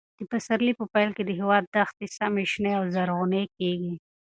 د پسرلي په پیل کې د هېواد دښتي سیمې شنې او زرغونې کېږي.